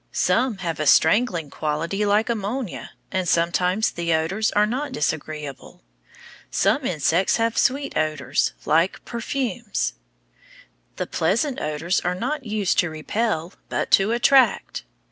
Some have a strangling quality like ammonia, and sometimes the odors are not disagreeable. Some insects have sweet odors, like perfumes. The pleasant odors are not used to repel, but to attract.